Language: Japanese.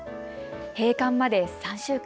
閉館まで３週間。